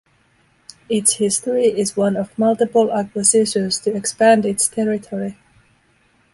Its history is one of multiple acquisitions to expand its territory.